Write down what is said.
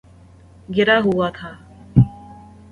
گرا ہوا تھا